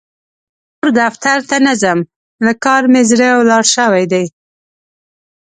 نور دفتر ته نه ځم؛ له کار مې زړه ولاړ شوی دی.